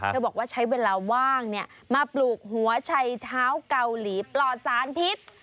บอกว่าใช้เวลาว่างมาปลูกหัวชัยเท้าเกาหลีปลอดสารพิษ